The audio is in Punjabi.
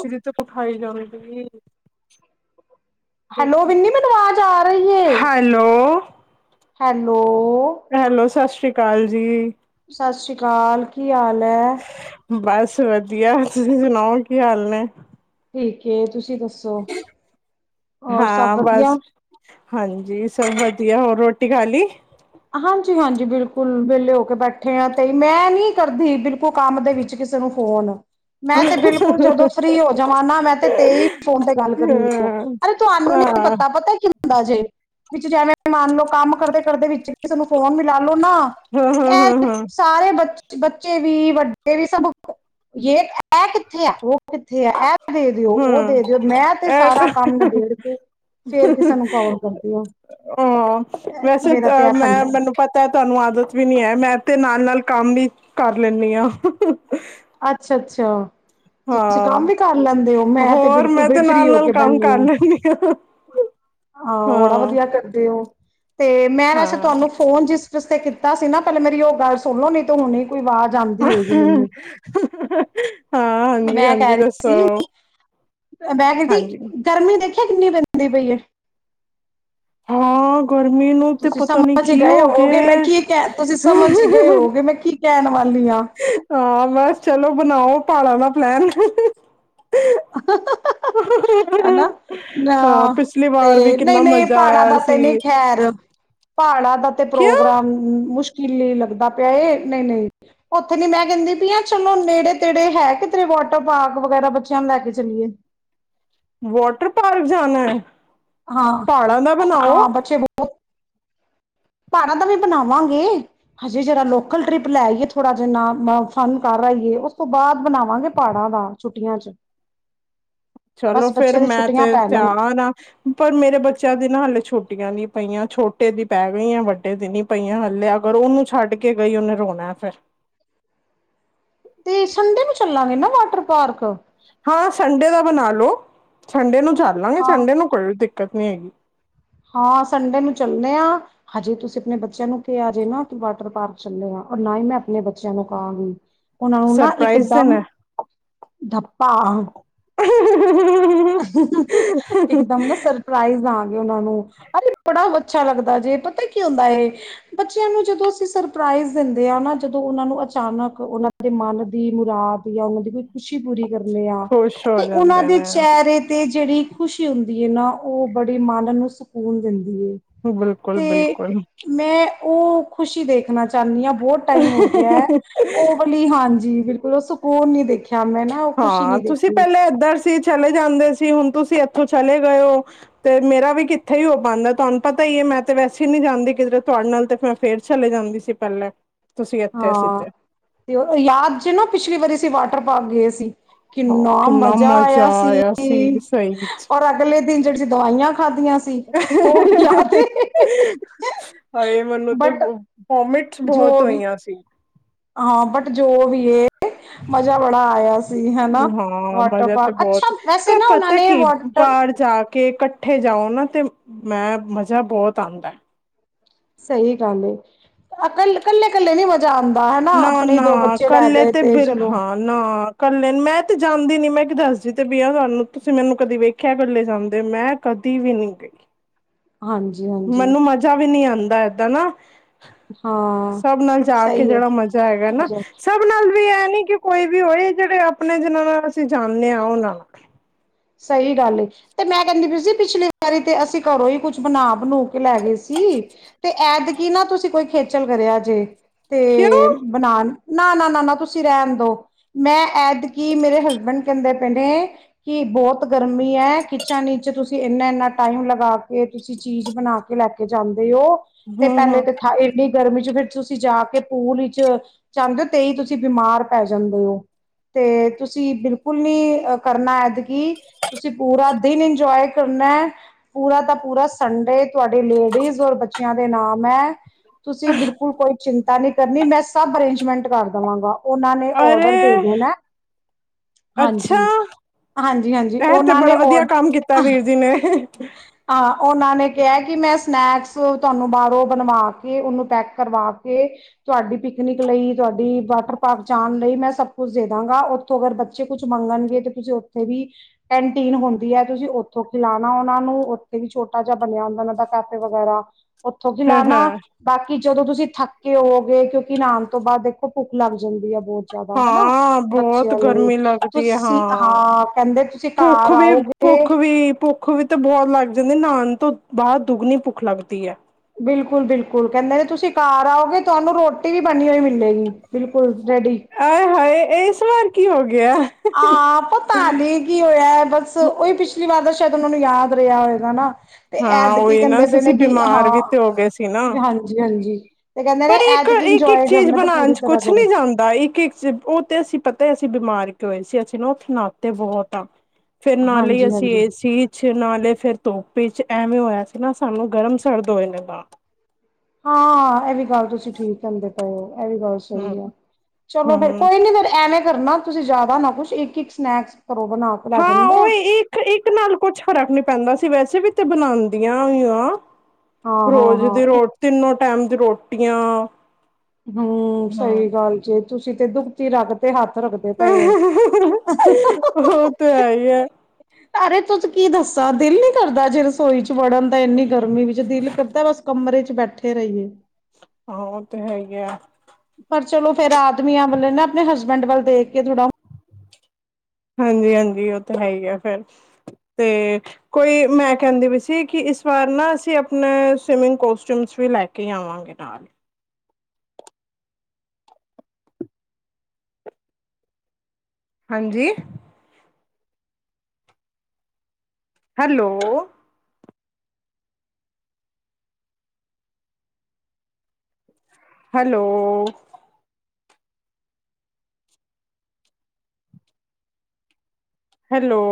ਸ੍ਰੀ ਤੋਂ ਪਖਾਈ ਜ਼ਿਆਦਾ ਮਹਿੰਗੀ ਆਈ। ਹੈਲੋ ਵਿੰਨੀ ਮੈਨੂੰ ਆਵਾਜ਼ ਆ ਰਹੀ ਹੈ। ਹੈਲੋ। ਹੈਲੋ। ਹੈਲੋ ਸਤਿ ਸ਼੍ਰੀ। ਸਤਿ ਸ਼੍ਰੀ ਅਕਾਲ ਜੀ। ਸਤਿ ਸ਼੍ਰੀ ਅਕਾਲ ਜੀ। ਕੀ ਹਾਲ ਹੈ। ਬਸ ਵਧੀਆ ਤੁਸੀਂ ਸੁਣਾਓ ਕੀ ਹਾਲ ਨੇ। ਠੀਕਏ ਤੁਸੀਂ ਦੱਸੋ। ਹੋਰ ਸਭ ਹਾਂ ਵਧੀਆ ਬਸ, ਹਾਂਜੀ ਸਭ ਵਧੀਆ। ਵਧੀਆ ਹੋਰ ਰੋਟੀ ਖਾ ਲਈ। ਹਾਂਜੀ -ਹਾਂਜੀ ਬਿਲਕੁਲ ਵਿਹਲੇ ਹੋ ਕੇ ਬੈਠੇ ਆ ਤੇ ਮੈਂ ਨੀ ਕਰਦੀ ਬਿਲਕੁਲ ਕੰਮ ਦੇ ਵਿੱਚ ਕਿਸੇ ਨੂੰ ਫੋਨ। ਮੈਂ ਤੇ ਬਿਲਕੁਲ ਜਦੋਂ ਹਾਂ ਫਰੀ ਹੋ ਜਾਵਾਂ ਨਾ ਮੈਂ ਤੇ ਤੇਰੀ ਫੋਨ ਤੇ ਗੱਲ ਕਰਨੀ ਹੁੰਦੀ ਆ ਅਰੇ ਹਾਂ ਤੁਹਾਨੂੰ ਹਾਂ ਨੀ ਪਤਾ ਪਤਾ ਕਿੰਨੀ। ਹੁੰਦਾ ਜੇ ਵਿੱਚ ਜੇ ਐਵੇਂ। ਤੇ ਮੰਨ ਲਓ ਕੰਮ ਕਰਦੇ- ਕਰਦੇ ਵਿੱਚ। ਕਿਸੇ ਨੂੰ ਫੋਨ ਮਿਲਾ ਲੋ ਨਾ ਹਾਂ ਐ ਤੇ ਹਾਂ ਸਾਰੇ। ਬੱਚੇ ਵੀ, ਵੱਡੇ ਵੀ ਸਭ ਜੇ ਐ ਕਿੱਥੇ ਆ ਉਹ। ਕਿੱਥੇ ਆ ਇਹ ਦੇ ਦਿਓ, ਉਹ ਹਮ ਦੇ ਦਿਓ, ਮੈਂ ਤੇ ਸਾਰਾ ਕੰਮ ਨਿਬੇੜ ਕੇ ਫੇਰ ਕਿਸੇ ਨੂੰ ਕੌਲ ਕਰਦੀ ਆ ਹਾਂ ਵੈਸੇ ਮੇਰਾ। ਇਹ ਮੈਂ ਫੰਡਾ ਮੈਨੂੰ ਪਤਾ ਤੁਹਾਨੂੰ ਆਦਤ ਵੀ ਨੀ ਹੈ ਮੈਂ ਤੇ ਨਾਨਕੇ। ਨਾਲ ਕੰਮ ਵੀ ਕਰ ਲੈਂਣੀ ਹਾਂ। ਅੱਛਾ ਅੱਛਾ ਤੁਸੀਂ ਹਾਂ ਕੰਮ ਵੀ ਕਰ ਲੈਂਦੇ ਹੋ ਮੈਂ ਤੇ ਹੋਰ ਬਿਲਕੁਲ ਮੈਂ ਤੇ ਵੀ ਫਰੀ ਨਾਲ ਹੋ ਨਾਲ ਕੇ ਕੰਮ ਬਹਿੰਦੀ ਕਰ ਹਾ ਲੈਂਦੀ ਹਾਂ। ਬੜਾ ਹਾਂ ਵਧੀਆ ਕਰਦੇ ਹੋ। ਤੇ ਮੈਂ ਵੈਸੇ ਹਾਂ ਤੁਹਾਨੂੰ ਫੋਨ ਜਿਸ ਜਿਸ ਤੇ ਕੀਤਾ ਸੀ ਨਾ ਪਹਿਲੇ ਮੇਰੀ ਉਹ ਗੱਲ ਸੁਣ ਲੋ ਨੀ ਹਾਂ ਹਾਂਜੀ ਮੈਂ ਹਾਂਜੀ ਕਹਿ ਰਹੀ ਦੱਸੋ ਸੀ ਮੈਂ ਕਹ ਹਾਂਜੀ ਗਰਮੀ ਦੇ ਦੇਖਿਆ ਕਿੰਨੀ ਪੈਂਦੀ ਪਈ ਹੈ। ਹਾਂ ਗਰਮੀ ਨੂੰ ਤੇ ਤੁਸੀਂ ਪਤਾ ਨੀ ਸਮਝ ਕੀ ਗਏ ਹੋ ਹੋਗੇ ਮੈਂ ਗਿਆ ਕੀ ਕਹਿਣ ਤੁਸੀਂ ਸਮਝ ਗਏ ਹੋਗੇ ਮੈਂ ਕੀ ਕਹਿਣ ਵਾਲੀ ਹਾਂ। ਹਾਂ ਬਸ ਚਲੋ ਬਣਾਓ ਪਾੜਾ ਦਾ ਪਲੈਨ [unintelligible] ਹਨਾ ਨਾ ਹਾਂ ਪਿਛਲੀ ਵਾਰ ਵੀ ਤੇ ਨਹੀਂ ਕਿੰਨਾ ਨਹੀਂ ਮਜ਼ਾ ਪਹਾੜਾਂ ਆਇਆ ਦਾ ਤੇ ਨਹੀਂ ਸੀ ਖੈਰ ਪਹਾੜਾਂ ਦਾ ਤੇ ਕਿਆ ਪ੍ਰੋਗਰਾਮ ਮੁਸ਼ਕਿਲ ਲਈ ਲੱਗਦਾ ਪਿਆ ਨਹੀਂ ਨਹੀਂ ਉੱਥੇ ਨੀ ਮੈਂ ਕਹਿੰਦੀ ਪਈ ਹ ਚਲੋ ਨੇੜੇ ਤੇੜੇ ਹੈ ਕਿਤੇਰੇ ਵਾਟਰ ਪਾਰਕ ਵਗੈਰਾ ਬੱਚੇ। ਨੂੰ ਲੈ ਕੇ ਚਲੀਏ। ਵਾਟਰ ਪਾਰਕ ਜਾਣਾ ਹੈ। ਹਾਂ ਪਹਾੜਾਂ ਦਾ ਹਾਂ ਬਣਾਓ ਬੱਚੇ [inaudible] ਪਹਾੜਾਂ ਦਾ ਵੀ ਬਣਾਵਾਂਗੇ ਹਜੇ ਜਿਹੜਾ ਲੋਕਲ ਟ੍ਰਿਪ ਲੈਈਏ ਥੋੜ੍ਹਾ ਜਿਨਾ ਮ ਫਨ ਕਰ ਆ ਹੀਏ ਉਸ ਤੋਂ ਬਾਅਦ ਬਣਾਵਾਂਗੇ ਪਹਾੜਾਂ ਦਾ ਛੁੱਟੀਆਂ ਚ। ਚਲੋ ਬਸ ਫੇਰ ਬੱਚਿਆਂ ਦੀ ਮੈਂ ਤੇ ਛੁੱਟੀਆਂ ਪੈ ਲੈਣ ਤਿਆਰ ਨਾ ਪਰ ਮੇਰੇ ਬੱਚਿਆਂ ਦੀ ਨਾ ਹਲੇ ਛੁੱਟੀ ਛੋਟੀਆਂ ਦੀ ਪਈਆਂ ਛੋਟੇ ਦੀ ਪੈ ਗਈਆਂ ਵੱਡੇ ਦੀ ਨੀ ਪਈਆਂ ਹਲੇੇ ਅਗਰ ਉਹਨੂੰ ਛੱਡ ਕੇ ਗਈ ਉਹਨੇ ਰੋਣਾ ਫਿਰ। ਤੇ ਸੰਡੇ ਨੂੰ ਚੱਲਾਂਗੇ ਨਾ ਵਾਟਰ ਪਾਰਕ ਹਾਂ ਸੰਡੇ ਦਾ ਬਣਾ ਲੈ ਨੂੰ ਸੰਡੇ ਚੱਲਾਂਗੇ ਹਾਂ ਸੰਡੇ ਨੂੰ ਕੋਈ ਦਿੱਕਤ ਦਿੱਕਤ ਨੀ ਜੀ। ਹਾਂ ਸੰਡੇ ਨੂੰ ਚੱਲੇ ਹਾਂ ਹਜੇ ਤੁਸੀਂ ਆਪਣੇ ਬੱਚਿਆਂ ਨੂੰ ਕਿਹਾ ਆ ਜੇ ਨਾ ਵਾਟਰ ਪਾਰਕ ਚੱਲੇ ਆ ਔਰ ਨਾ ਹੀ ਮੈਂ ਆਪਣੇ ਬੱਚਿਆਂ ਨੂੰ ਕਹਾਂਗੀ। ਉਹਨਾਂ ਨੂੰ ਨਾ ਸਰਪ੍ਰਾਈਜ਼ ਦੇਣਾ ਇਕਦਮ ਡੱਪਾ। [unintelligible] ਇੱਕਦਮ ਨਾ ਸਰਪ੍ਰਾਈਜ਼ ਆ। ਉਹ ਨੂੰ ਅ ਬੜਾ ਵਧੀਆ ਅੱਛਾ ਲੱਗਦਾ ਜੇ ਪਤਾ ਕੀ ਹੁੰਦਾ ਹੈ ਬੱਚਿਆਂ ਨੂੰ ਜਦੋਂ ਅਸੀਂ ਸਰਪ੍ਰਜ਼ ਦਿੰਦੇ ਆ ਨਾ ਜਦੋਂ ਉਹਨਾਂ ਨੂੰ ਅਚਾਨਕ ਉਹਨਾਂ ਦੇ ਮਨ ਦੀ ਮੁਰਾਦ ਜਾਂ ਉਹਨਾਂ ਦੀ ਕੋਈ ਖੁਸ਼ੀ ਪੂਰੀ ਕਰਨੇ ਆ ਖੁਸ਼ ਹੋ ਤੇ ਉਹਨਾਂ ਜਾਂਦੇ ਦੇ ਨੇ ਸ਼ਹਿਰੇ ਤੇ ਜਿਹੜੀ ਖੁਸ਼ੀ ਹੁੰਦੀ ਹੈ ਨਾ ਉਹ ਬੜੇ ਮਨ ਨੂੰ ਸਕੂਨ ਦਿੰਦੀ ਬਿਲਕੁਲ ਤੇ ਬਿਲਕੁਲ ਮੈਂ ਉਹ ਖੁਸ਼ੀ ਦੇਖਣਾ ਚਾਹੁੰਦੀ ਹਾਂ ਬਹੁਤ ਟਾਈਮ ਹੋ ਗਿਆ ਹੈ ਉਹ ਵਾਲੀ ਹਾਂਜੀ ਬਿਲਕੁਲ ਉਹ ਸਕੂਨ ਨਹੀਂੀ ਦੇਖਿਆ ਮੈਂ ਨਾ ਉਹ ਖੁਸ਼ੀ ਹਾਂ ਨੀ ਤੁਸੀਂ ਦੇਖੀ ਪਹਿਲੇਾਂ ਇਏਧਰ ਸੀ ਚਲੇ ਜਾਂਦੇ ਸੀ ਹੁਣ ਤੁਸੀਂ ਇੱਥੋਂ ਚਲੇ ਗਏ ਹੋ ਤੇ ਮੇਰਾ ਵੀ ਕਿੱਥੇ ਹੀ ਹੋ ਪਾਣਦਾ ਤੁਹਾਨੂੰ ਪਤਾ ਹੀ ਹੈ ਮੈਂ ਤੇ ਵੈਸੇ ਨੀ ਜਾਂਦੀ ਕਿਧਰੇ ਤੁਹਾਡੇ ਨਾਲ ਤੇ ਮੈਂ ਫੇਰ ਚਲੇ ਜਾਂਦੀ ਸੀ ਪਹਿਲੇ ਤੁਸੀਂ ਇੱਥੇ ਸੀ ਹਾਂ ਤੇ ਤੇ ਯਾਦ ਜੇ ਨਾ ਪਿਛਲੀ ਵਾਰੀ ਅ ਵ ਪੱ ਪਾ ਗਏ ਸੀ ਹਾਂ ਕਿੰਨਾ ਮਜ਼ਾ ਆਇਆ ਸੀ ਸੀ ਸਹੀ ਚ। ਔਰ ਅਗਲੇ ਦਿਨ ਜਿਹੜੀ ਸੀ ਦਵਾਈਆਂ ਖਾਧੀਆਂ ਸੀ ਉਹ ਵੀ ਲਾ ਦੇ ਹਾਏ ਮੈਨੂੰ ਤੇ ਬਟ ਵੋਮਿਟਸ ਜੋ ਬਹੁਤ ਵੀ ਹੋਈਆਂ ਸੀ ਬਟ ਜੋ ਵੀ ਇਹ ਮਜ਼ਾ ਬੜਾ ਆਇਆ ਸੀ ਹਨਾ ਹਾਂ ਮਜ਼ਾ ਤੇ ਵਾਟਰਫਾਲ ਬਹੁਤ ਅੱਛਾ ਵੈਸੇ ਕ ਨਾ ਉਹਨਾਂ ਪਤਾ ਨੇ ਕੀ ਵਾਟਰ ਬਾਹਰ ਜਾ ਕੇ ਇਕੱਠੇ ਜਾਓ ਨਾ ਤੇ ਮੈਂ ਮਜ਼ਾ ਬਹੁਤ ਆਉਂਦਾ ਸਹੀ ਗੱਲ ਏ ਕ ਕੱਲੇ ਕੱਲੇ ਨੀ ਮਜ਼ਾ ਆਂਦਾ ਹਨਾ ਨਾ ਆਪਣੇ ਦੋ ਨਾ ਬੱਚੇ ਲੈ ਇਕੱਲੇ ਗਏ ਤੇ ਬਿਲ ਚਲੋ ਹਾਂ ਨਾ ਇਕੱਲੇ ਮੈਂ ਤੇ ਜਾਂਦੀ ਨੀ ਮੈਂ ਇੱਕ ਦੱਸਦੀ ਤੇ ਬਆ ਤੁਹਾਨੂੰ ਤੁਸੀਂ ਮੈਨੂੰ ਕਦੀ ਵੇਖਿਆ ਕਰੱਲ ਜਾਂਦੇ ਮੈਂ ਕਦੀ ਵੀ ਨਹੀਂੀ ਗਈ ਹਾਂਜੀ-ਹਾਂਜੀ ਮੈਨੂੰ ਮਜਾ ਵੀ ਨਹੀਂ ਆਉਂਦਾ ਦ ਨਾ ਹਾਂ ਸਭ ਨਾਲ ਜਾ ਕੇ ਸਹੀ ਏ ਜਿਹੜਾ ਮਜ਼ਾ ਹੈਗਾ ਨਾ ਮਜ਼ਾ ਸਭ ਨਾਲ ਵੀ ਇਹ ਨੀ ਕਿ ਕੋਈ ਵੀ ਹੋਏ ਜਿਹੜੇ ਆਪਣੇ ਜਿਨਾਂ ਨਾਲ ਅਸੀਂ ਜਾਣਦੇ ਹਾਂ ਉਹਨਾਂ ਸਹੀ ਗੱਲ ਤੇ ਮੈਂ ਕਹਿੰਦੀ ਵੀ ਸੀ ਪਿਛਲੀ ਵਾਰੀ ਤੇ ਅਸੀਂ ਘਰੋਂ ਹੀ ਕੁਛ ਬਣਾ ਬਣਾ ਕੇ ਲੈ ਗਏ ਸੀ ਤੇ ਐਦ ਕੀ ਨਾ ਤੁਸੀਂ ਕੋਈ ਖੇਚਲ ਕਰਿਆਜੇ ਕਿਉਂ ਤੇ ਬਣਾਉਣ ਨਾ ਨਾ ਨਾ ਨਾ ਤੁਸੀਂ ਰਹਿਣ ਦੋ ਮੈਂ ਐਦਕੀ ਮੇਰੇ ਹਸਬੈਂਡ ਕਹਿੰਦੇ ਪੈਣੇ ਕਿ ਬਹੁਤ ਗਰਮੀ ਹੈ ਕਿਚਨ ਵਿੱਚ ਤੁਸੀਂ ਇੰਨਾ ਇੰਨਾ ਟਾਈਮ ਲਗਾ ਕੇ ਤੁਸੀਂ ਚੀਜ਼ ਬਣਾ ਕੇ ਲੈ ਕੇ ਜਾਂ ਉਹ ਤੇ ਪਹਿਲੇ ਹੂੰ-ਹੂੰ ਤੇ ਥ ਇੰਨੀ ਗਰਮੀ ਚ ਫਿਰ ਤੁਸੀਂ ਜਾ ਕੇ ਪੂਲ ਵਿੱਚ ਚਾਹਦੇ ਹੋ ਤੇ ਹੀ ਤੁਸੀਂ ਬਿਮਾਰ ਪੈ ਜਾਂਦੇ ਹੋ ਤੇ ਤੁਸੀਂ ਬਿਲਕੁਲ ਨੀ ਕਰਨਾ ਕੀ ਤੁਸੀਂ ਪੂਰਾ ਦਿਨ ਇੰਜੋਏ ਕਰਨਾ ਪੂਰਾ ਦਾ ਪੂਰਾ ਸੰਡੇ ਤੁਹਾਡੇ ਲੇਡੀਜ਼ ਔਰ ਬੱਚਿਆਂ ਦੇ ਨਾਮ ਹੈ ਤੁਸੀਂ ਬਿਲਕੁਲ ਕੋਈ ਚਿੰਤਾ ਇੱਦਾਂ ਨੀ ਕਰਨੀ ਮੈਂ ਸਭ ਅਰੇਂਜਮੈਂਟ ਕਰ ਦੇਵਾਂਗਾ ਉਹਨਾਂ ਨੇ ਔਡਰ ਦੇ ਅਰੇ ਦੇਣਾ ਅੱਛਾ ਹਾਂਜੀ [unintelligible] ਹਾਂਜੀ ਇਹ ਤੇ ਉਹਨਾਂ ਬੜਾ ਨੇ ਵਧੀਆ ਔਡ ਕੰਮ ਕੀਤਾ ਵੀਰ ਜੀ ਨੇ [inaudible] ਹਾਂ ਉਹਨਾਂ ਨੇ ਕਿਹਾ ਕਿ ਮੈਂ ਸਨੈਕਸ ਤੁਹਾਨੂੰ ਬਾਹਰੋਂ ਬਣਵਾ ਕੇ ਉਹਨੂੰ ਪੈਕ ਕਰਵਾ ਕੇ ਤੁਹਾਡੀ ਪਿਕਨਿਕ ਲਈ ਤੁਹਾਡੀ ਵਾਟਰ ਪਾਰਕ ਜਾਣ ਲਈ ਮੈਂ ਸਭ ਕੁਛ ਦੇ ਦਾਂਗਾ ਉੱਥੋਂ ਅਗਰ ਬੱਚੇ ਕੁਛ ਮੰਗਣਗੇ ਤੇ ਤੁਸੀਂ ਉੱਥੇ ਵੀ ਕੈਂਟੀਨ ਹੁੰਦੀ ਹੈ ਤੁਸੀਂ ਉੱਥੋਂ ਖਿਲਾ ਉਹਨਾਂ ਨੂੰ ਉੱਥੇ ਵੀ ਛੋਟਾ ਜਿਹਾ ਬਣਿਆ ਹੁੰਦਾ ਉਹਨਾਂ ਦਾ ਕੈਫੇ ਵਗੈਰਾ ਉੱਥੋਂ ਕੀ ਲਾਉਣਾ ਬਾਕੀ ਜਦੋਂ ਤੁਸੀਂ ਥੱਕੇ ਹੋਓਗੇ ਕਿਉਂਕਿ ਨਹਾਉਣ ਤੋਂ ਬਾਅਦ ਦੇਖੋ ਭੁੱਖ ਲੱਗ ਜਾਂਦੀ ਹੈ ਬਹੁਤ ਜ਼ਿਆਦਾ ਹਨਾ ਹਾਂ ਬਹੁਤ ਬੱਚਿਆਂ ਨੂੰ ਵੀ ਗਰਮੀ ਲੱਗਦੀ ਹੈ ਤੁਸੀਂ ਹਾਂ ਕਹਿੰਦੇ ਤੁਸੀਂ ਭੁੱਖ ਘਰ ਵੀ ਆਓਗੇ ਭੁੱਖ ਵੀ ਭੁੱਖ ਵੀ ਤੇ ਬਹੁਤ ਲੱਗ ਜਾਂਦੇ ਨਹਾਣ ਤੋਂ ਬਾਹਰ ਦੁੱਗਣੀ ਭੁੱਖ ਲੱਗਦੀ ਹੈ ਬਿਲਕੁਲ ਬਿਲਕੁਲ ਕਹਿੰਦੇ ਨੇ ਤੁਸੀਂ ਕਾਰ ਆਓਗੇ ਤੁਹਾਨੂੰ ਰੋਟੀ ਵੀ ਬਣੀ ਹੋਈ ਮਿਲੇਗੀ ਬਿਲਕੁਲ ਰੈਡੀ। ਅ ਹ ਇਹ ਸ ਕੀ ਹੋਰ ਹਾਂ ਪਤਾ ਨਹੀਂ ਕੀ ਹੋਇਆ ਬਸ ਉਹੀ ਪਿਛਲੀ ਵਾਰ ਤਾਂ ਸ਼ਾਇਦ ਉਹਨਾਂ ਨੂੰ ਯਾਦ ਰਿਹਾ ਹੋਇ ਹਨ ਨਾ ਤੇ ਹਾਂ ਐਦ ਕੀ ਉਹੀ ਨਾ ਕਹਿੰਦੇ ਪਏ ਨੇ ਅਸੀਂ ਕਿ ਬਿਮਾਰ ਹਾਂ ਵੀ ਤੇ ਹੋ ਗਏ ਸੀ ਨਾ ਹਾਂਜੀ ਹਾਂਜੀ ਪਰ ਇੱਕ ਇੱਕ ਇੱਕ ਚੀਜ਼ ਬਣਾਉਣ ਪੂਰੀ ਚ ਤਰ੍ਹਾਂ ਕੁਛ ਕਰੋ ਨੀ ਜਾਂਦਾ ਇੱਕ ਇੱਕ ਚੀ ਉਹ ਤੇ ਅਸੀਂ ਪਤਾ ਤੇ ਬਿਮਾਰ ਕੇ ਹੋਏ ਸੀ ਅਸੀਂ ਨਾ ਉਹਤੇ ਨਾਤੇ ਬਹੁਤ ਆਾਂ ਫੇਿਰ ਨਾਲੇ ਅਸੀਂ ਹਾਂਜੀ-ਹਾਂਜੀ। ਇਹਏ ਸੀ ਨਾਲੇ ਫਿਰ ਤੂੰਪ ਵਿੱਚ ਐਵੇਂ ਹੋਇਆ ਸੀ ਨਾ ਸਾਨੂੰ ਗਰਮ ਸਰਦ ਹੋਏ ਨੇ ਨਾਲ ਹਾਂ ਇਹ ਵੀ ਗੱਲ ਤੁਸੀਂ ਠੀਕ ਹਿੰਦੇ ਪਏ ਹੋ ਇਹ ਵੀ ਗੱਲ ਹੂੰ ਸਹੀ ਹੈ ਚਲੋ ਫੇਰ ਹੂੰ ਕੋਈ ਨੀ ਫੇਿਰ ਐਵੇਂ ਕਰਨਾ ਤੁਸੀਂ ਜਿਆਦਾ ਨਾ ਕੁੱਛ ਇੱਕ ਇੱਕ ਸਨੈਕ ਹਾਂ ਉਹ ਇੱਕ ਇੱਕ ਨਾਲ ਕੁਛ ਫਰਕ ਨੀ ਪੈਂਦਾ ਸੀ ਵੈਸੇ ਵੀ- ਤੇ ਬਣਾਉਂਦੀਆਂ ਵੀਈਆਂ ਰੋਜ਼ ਦੀ ਹਾਂ-ਹਾਂ-ਹਾਂ ਰੋ ਤਿੰਨ ਟਾਈਮ ਦੀ ਰੋਟੀਆਂ ਹਮ ਸਹੀ ਹੂੰ। ਗੱਲ ਜ ਤੁਸੀਂ ਤੇ ਦੁੱਖਤੀ ਰਖ ਤੇ ਹੱਥ ਰੱਖਦੇ ਪਏ ਹੋ। ਉਹ ਤੇ ਹੈ ਹੀ ਹੈ ਅਰੇ ਤੁਂ ਕੀ ਦੱਸਾਂ ਦਿਲ ਨੀ ਕਰਦਾ ਜੇ ਰਸੋਈ ਚ ਵੜਨ ਦਾ ਇੰਨੀ ਗਰਮੀ ਵਿੱਚ ਦਿਲ ਕਰਦਾ ਬਸ ਕਮਰੇ ਬੈਠੇ ਰਹੀਏ ਹਾਂ ਉਹ ਤੇ ਹੈਗੇ ਆ ਪਰ ਚਲੋ ਫੇਰ ਆਦਮੀਆਂ ਵੇ ਨਾ ਆਪਣੇ ਹਸਬੈਂਡ ਵੱਲ ਦੇਖ ਕੇ ਥੋੜ੍ਹਾ ਹਾਂਜੀ ਹਾਂਜੀ ਉਹ ਤਾਂ ਹੈ ਹੀ ਆ ਫਿਰ ਤੇ ਕੋਈ ਮੈਂ ਕਹਿੰਦੀ ਵੀ ਸੀ ਕਿ ਇਸ ਵਾਰ ਨਾ ਅਸੀਂ ਆਪਣੇ ਸਵੀਮਿੰਗ ਕੋਸਟਿਊਮਸ ਵੀ ਲੈ ਕੇ ਆਵਾਂਗੇ ਨਾਲ ਹਾਂਜੀ ਹੈਲੋ ਹੈਲੋ ਹੈਲੋ